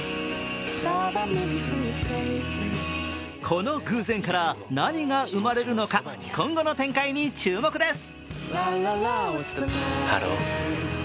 この偶然から何が生まれるのか、今後の展開に注目です。